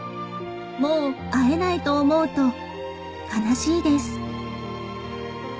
もう会えないと思うと悲しいです」